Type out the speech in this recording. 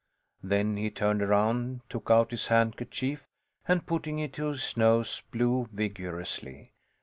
Then he turned around, took out his handkerchief, and, putting it to his nose, blew vigorously.